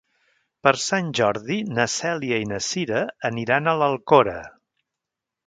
Per Sant Jordi na Cèlia i na Cira aniran a l'Alcora.